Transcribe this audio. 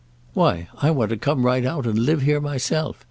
"Why I want to come right out and live here myself.